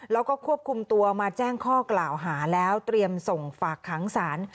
แล้วก็ควบคุมตัวมาแจ้งข้อกล่าวหาแล้วเตรียมส่งฝากขังศาล